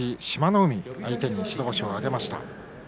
海を相手に白星を挙げました。